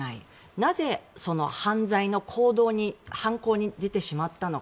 なぜ、犯罪の行動に犯行に出てしまったのか。